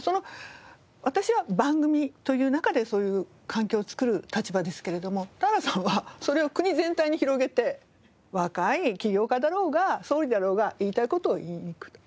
私は番組という中でそういう環境を作る立場ですけれども田原さんはそれを国全体に広げて若い起業家だろうが総理だろうが言いたい事を言いにいくと。